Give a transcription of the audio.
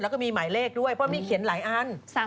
แล้วก็มีหมายเลขด้วยเพราะมีเขียนหลายอัน